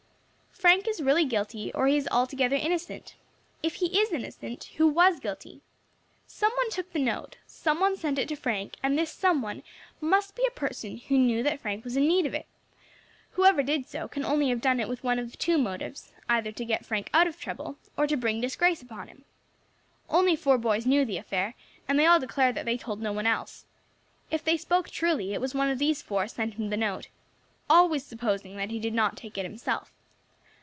"Frank is really guilty, or he is altogether innocent. If he is innocent, who was guilty? Some one took the note, some one sent it to Frank, and this some one must be a person who knew that Frank was in need of it; whoever did so can only have done it with one of two motives, either to get Frank out of trouble, or to bring disgrace upon him. Only four boys knew of the affair, and they all declare that they told no one else. If they spoke truly it was one of these four sent him the note always supposing that he did not take it himself.